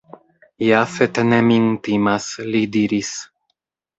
Jafet ne min timas, li diris.